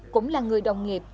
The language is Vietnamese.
cũng là người đồng nghiệp